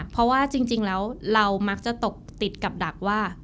เพราะว่าจริงแล้วเรามักจะตกติดกับดักว่า